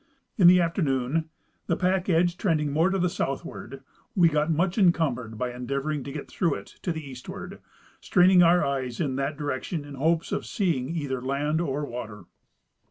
In the afternoon, the pack edge trending more to the southward, we got much encumbered by endeavoring to get through it to the eashvard, straining our eyes in that direction in the hope of seeing either land or water."